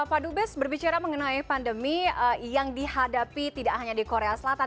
pak dubes berbicara mengenai pandemi yang dihadapi tidak hanya di korea selatan